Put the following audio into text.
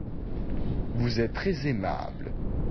Vous êtes très aimable.